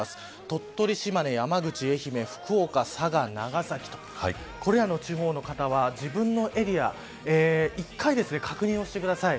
鳥取、島根、山口、愛媛福岡、佐賀、長崎これらの地方の方は自分のエリア一回確認をしてください。